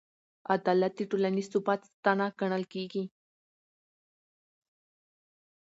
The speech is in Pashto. عدالت د ټولنیز ثبات ستنه ګڼل کېږي.